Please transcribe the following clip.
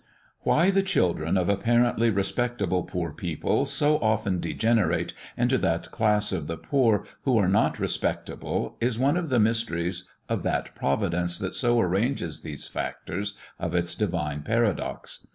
Why the children of apparently respectable poor people so often degenerate into that class of the poor who are not respectable is one of the mysteries of that Providence that so arranges these factors of its divine paradox.